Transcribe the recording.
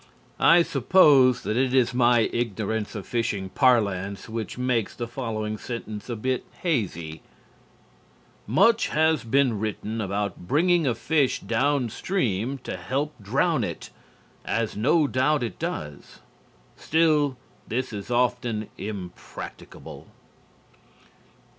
I suppose that it is my ignorance of fishing parlance which makes the following sentence a bit hazy: "Much has been written about bringing a fish downstream to help drown it, as no doubt it does; still, this is often impracticable."